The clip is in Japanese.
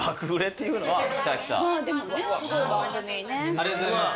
ありがとうございます。